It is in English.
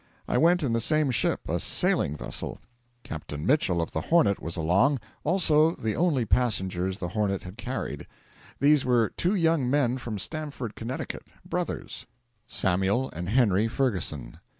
I went in the same ship, a sailing vessel. Captain Mitchell of the 'Hornet' was along; also the only passengers the 'Hornet' had carried. These were two young men from Stamford, Connecticut brothers: Samuel and Henry Ferguson.